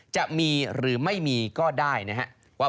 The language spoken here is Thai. จะมีหรือไม่มีก็ได้นะครับ